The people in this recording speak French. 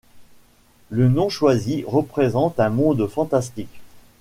Le nom choisi représente un monde fantastique.